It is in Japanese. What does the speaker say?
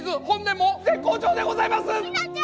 本年も絶好調でございます！